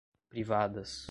privadas